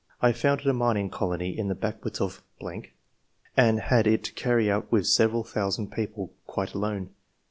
I founded a mining colony in the backwoods of ...., and had to carry it out with several thousand people, quite alone.'